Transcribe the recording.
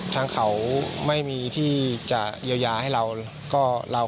ทางเขาไม่มีที่จะเยียวยาให้เราก็เรา